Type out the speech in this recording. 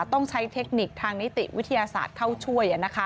ต้องใช้เทคนิคทางนิติวิทยาศาสตร์เข้าช่วย